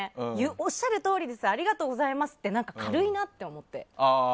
おっしゃるとおりですありがとうございますってなんか軽いなって思って。